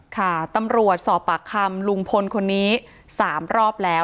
ค่ะตำรวจสอบปากคำลุงพลคนนี้๓รอบแล้ว